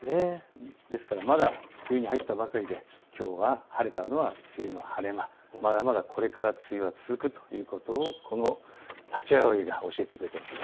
ですからまだ梅雨に入ったばかりできょうは晴れたのは梅雨の晴れ間、これからまだまだ梅雨が続くということをこのタチアオイが教えてくれました。